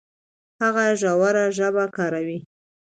هغه ژوره ژبه کاروي.